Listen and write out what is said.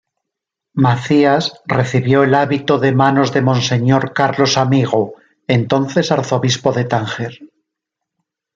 Macías recibió el hábito de manos de Monseñor Carlos Amigo, entonces Arzobispo de Tánger.